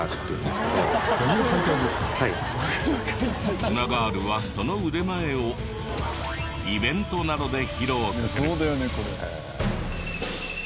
ツナガールはその腕前をイベントなどで披露する。